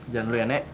jalan dulu ya nek